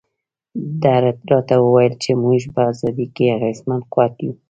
ده راته وویل چې موږ په ازادۍ کې اغېزمن قوت یو.